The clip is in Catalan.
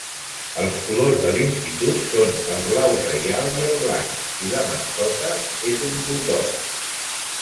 Els colors de l'institut són el blau reial i el blanc i la mascota és un buldog.